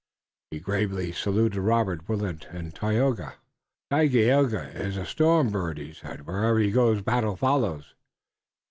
He gravely saluted Robert, Willet and Tayoga. "Dagaeoga is a storm bird," he said. "Wherever he goes battle follows."